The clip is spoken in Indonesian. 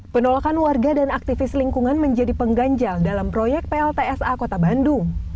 penolakan warga dan aktivis lingkungan menjadi pengganjal dalam proyek pltsa kota bandung